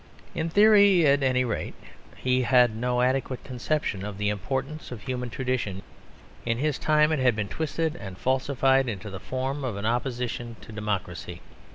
In theory at any rate, he had no adequate conception of the importance of human tradition; in his time it had been twisted and falsified into the form of an opposition to democracy.